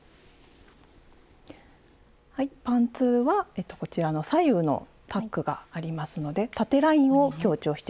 パンツはこちらの左右のタックがありますので縦ラインを強調してすっきりですね。